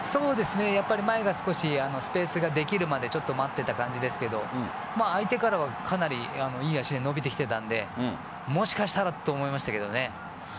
前が少しスペースができるまで待っていた感じですけど相手からはかなりいい脚で伸びてきていたのでもしかしたらと思いましたけどね。